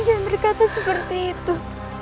jangan berkata seperti itu